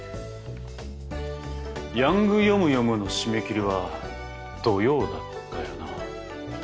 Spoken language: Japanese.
『ヤングヨムヨム』の締め切りは土曜だったよな。